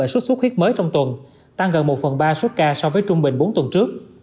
xuất xuất huyết mới trong tuần tăng gần một phần ba số ca so với trung bình bốn tuần trước